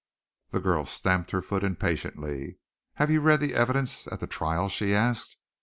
The girl stamped her foot impatiently. "Have you read the evidence at the trial?" she asked.